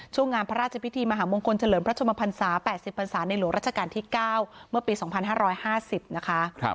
งานพระราชพิธีมหามงคลเฉลิมพระชมพันศา๘๐พันศาในหลวงราชการที่๙เมื่อปี๒๕๕๐นะคะ